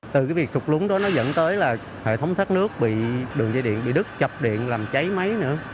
từ cái việc sụp lúng đó nó dẫn tới là hệ thống thoát nước bị đường dây điện bị đứt chập điện làm cháy máy nữa